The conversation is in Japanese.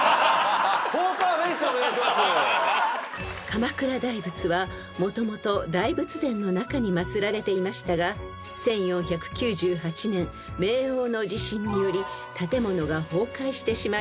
［鎌倉大仏はもともと大仏殿の中に祭られていましたが１４９８年明応の地震により建物が崩壊してしまいました］